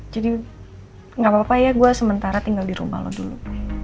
jadi gak apa apa ya gue sementara tinggal di rumah lo dulu